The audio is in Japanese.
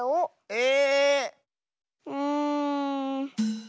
え⁉うん。